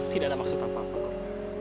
tidak ada maksud apa apa kok